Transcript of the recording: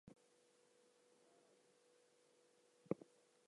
This later became Cokesbury Book Store.